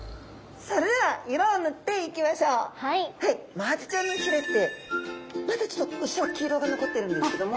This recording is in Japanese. マアジちゃんのひれってまだちょっとうっすら黄色が残ってるんですけども。